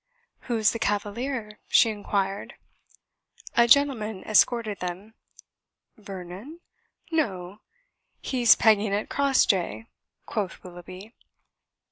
"Who's the cavalier?" she inquired. A gentleman escorted them. "Vernon? No! he's pegging at Crossjay," quoth Willoughby.